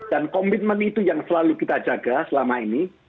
dan komitmen itu yang selalu kita jaga selama ini